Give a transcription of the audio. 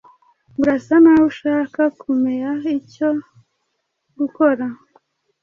Urasa naho ushaka kumea icyo gukora.